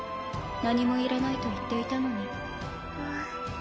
何もいらないと言っていたのにあっ。